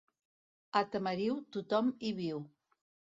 A Tamariu, tothom hi viu.